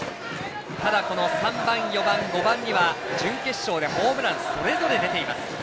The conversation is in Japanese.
ただ、この３番、４番、５番には準決勝でホームランそれぞれ出ています。